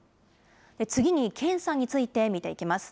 次に検査について見ていきます。